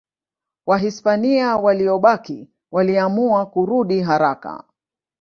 Wahispania waliobaki waliamua kurudi haraka.